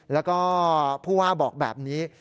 แล้วก็ผู้ว่าบอกแบบนี้